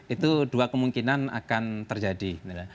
itu dua kemungkinan akan terjadi